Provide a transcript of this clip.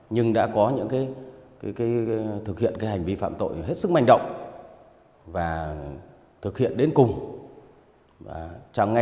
nhưng đã có những thực hiện hành vi phạm tội hết sức mạnh động